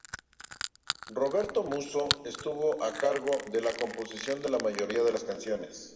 Roberto Musso estuvo a cargo de la composición de la mayoría de las canciones.